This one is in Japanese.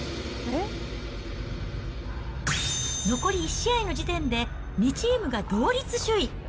残り１試合の時点で２チームが同率首位。